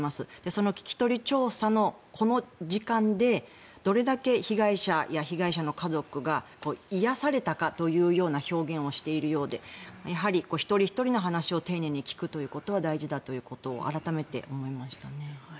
その聞き取り調査の時間でどれだけ被害者や被害者の家族が癒やされたかというような表現をしているようでやはり一人ひとりの話を丁寧に聞くということが大事だということを改めて思いましたね。